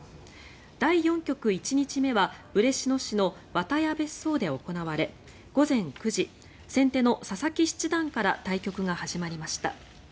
第４局１日目は嬉野市の和多屋別荘で行われ午前９時、先手の佐々木七段から対局が始まりました。